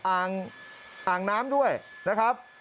อ่างน้ำด้วยนะครับ